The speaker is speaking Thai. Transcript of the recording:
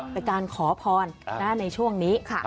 เป็นการขอพรในช่วงนี้